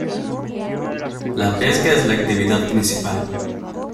La pesca es la actividad principal.